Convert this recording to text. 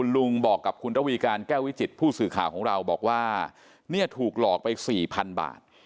ลุงบอกกับคุณระวีการแก้ววิจิตผู้สื่อข่าวของเราบอกว่าเนี่ยถูกหลอกไป๔๐๐๐บาท